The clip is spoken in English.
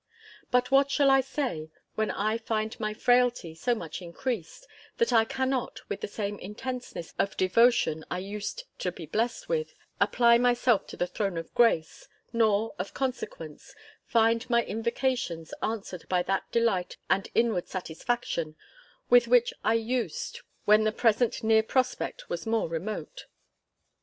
But what shall I say, when I find my frailty so much increased, that I cannot, with the same intenseness of devotion I used to be blest with, apply myself to the throne of Grace, nor, of consequence, find my invocations answered by that delight and inward satisfaction, with which I used when the present near prospect was more remote?